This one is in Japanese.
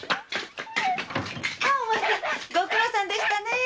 ご苦労さまでしたねぇ。